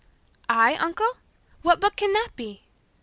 "I, uncle? What book can that be?"